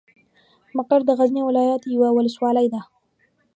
مقر د غزني ولايت یوه ولسوالۍ ده.